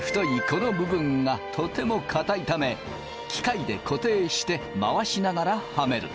この部分がとても固いため機械で固定して回しながらはめる。